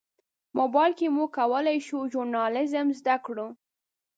موبایل کې موږ کولی شو ژورنالیزم زده کړو.